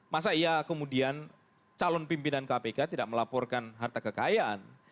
masa iya kemudian calon pimpinan kpk tidak melaporkan harta kekayaan